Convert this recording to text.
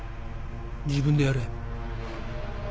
自分でやれ。